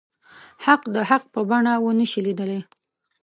حق د حق په بڼه ونه شي ليدلی.